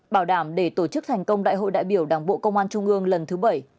bảo đảm để tổ chức thành công đại hội đại biểu đảng bộ công an trung ương lần thứ bảy